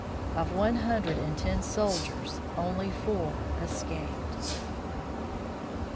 Of one hundred and ten soldiers only four escaped.